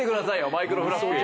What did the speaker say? マイクロフラッフィー